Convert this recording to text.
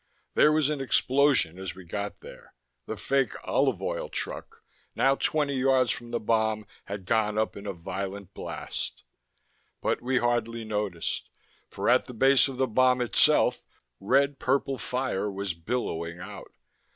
There was an explosion as we got there the fake "olive oil" truck, now twenty yards from the bomb, had gone up in a violent blast. But we hardly noticed. For at the base of the bomb itself red purple fire was billowing out.